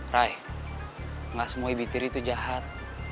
rai enggak semua ibu tiri itu jahat